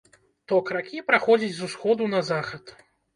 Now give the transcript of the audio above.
Ток ракі праходзіць з усходу на захад.